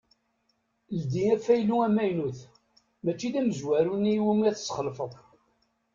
Ldi afaylu amaynut mačči d amezwaru-nni iwumi ara tesxelfeḍ.